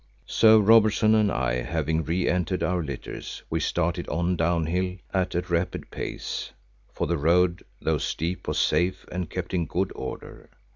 So, Robertson and I having re entered our litters, we started on down hill at a rapid pace, for the road, though steep, was safe and kept in good order.